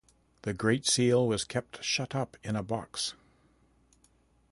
The great seal was kept shut up in a box.